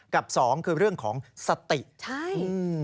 กับสองคือเรื่องของสติใช่อืม